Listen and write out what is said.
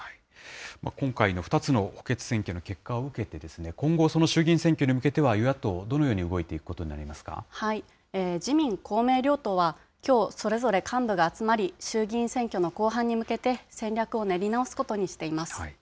今回の２つの補欠選挙の結果を受けて、今後、衆議院選挙に向けては与野党、どのように動いていくことになりま自民、公明両党はきょう、それぞれ幹部が集まり、衆議院選挙の後半に向けて戦略を練り直すことにしています。